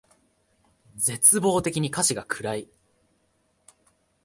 絶望的に歌詞が暗い